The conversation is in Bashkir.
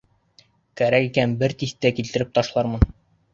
Кәрәк икән, бер тиҫтә килтереп ташлармын.